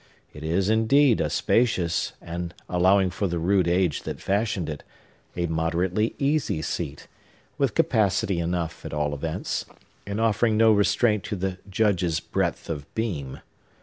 It is, indeed, a spacious, and, allowing for the rude age that fashioned it, a moderately easy seat, with capacity enough, at all events, and offering no restraint to the Judge's breadth of beam.